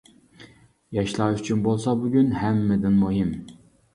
ياشلار ئۈچۈن بولسا بۈگۈن ھەممىدىن مۇھىم.